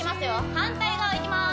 反対側いきます